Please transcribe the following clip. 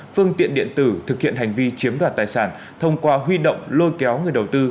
phương tiện điện tử thực hiện hành vi chiếm đoạt tài sản thông qua huy động lôi kéo người đầu tư